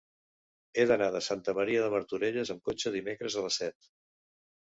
He d'anar a Santa Maria de Martorelles amb cotxe dimecres a les set.